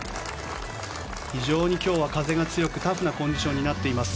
非常に今日は風が強くタフなコンディションになっています。